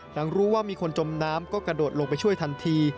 หลังรู้ว่ามีคนจมน้ำก็กระโดดลงไปช่วยทันที